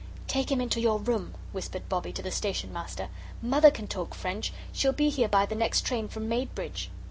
"Take him into your room," whispered Bobbie to the Station Master. "Mother can talk French. She'll be here by the next train from Maidbridge."